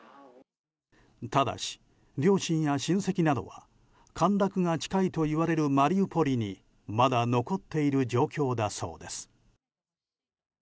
ただし、両親や親戚などは陥落が近いといわれるマリウポリにまだ残っている状況だそうです。